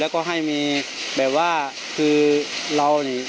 แล้วก็ให้มีแบบว่าคือเรานี่